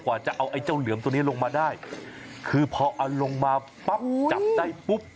กว่าจะเอาไอ้เจ้าเหลือมตัวนี้ลงมาได้คือพอเอาลงมาปั๊บจับได้ปุ๊บ